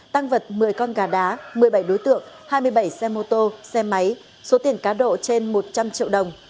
tăng vật một mươi con gà đá một mươi bảy đối tượng hai mươi bảy xe mô tô xe máy số tiền cá độ trên một trăm linh triệu đồng